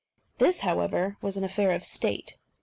This, however, was an affair of State.